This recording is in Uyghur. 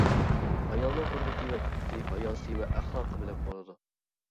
ئايالنىڭ ھۆرمىتى ۋە ئىپپىتى، ھاياسى ۋە ئەخلاقى بىلەن بولىدۇ.